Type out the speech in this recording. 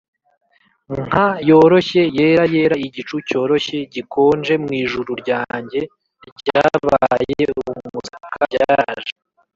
nka yoroshye, yera yera igicu cyoroshye, gikonje mwijuru ryanjye ryabaye umusaka byaraje;